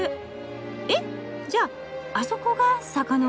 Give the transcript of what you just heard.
えじゃああそこが坂の上！？